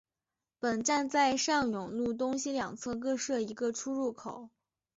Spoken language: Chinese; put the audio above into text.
本站在上永路东西两侧各设一个出入口。